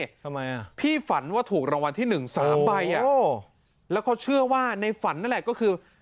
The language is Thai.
ทำไมอ่ะพี่ฝันว่าถูกรางวัลที่หนึ่งสามใบอ่ะโอ้แล้วเขาเชื่อว่าในฝันนั่นแหละก็คือ